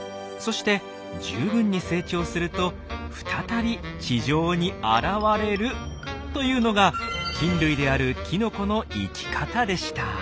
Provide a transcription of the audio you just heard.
そして十分に成長すると再び地上に現れるというのが菌類であるきのこの生き方でした。